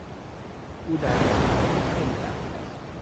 او در مورد پول خیلی بخیل است.